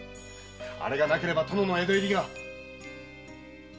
あれがなければ殿の江戸入りが千加殿！